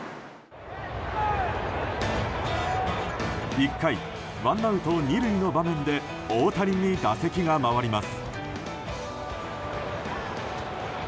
１回、ワンアウト２塁の場面で大谷に打席が回ります。